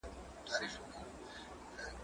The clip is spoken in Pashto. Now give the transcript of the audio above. زه به سبا مځکي ته ګورم وم!.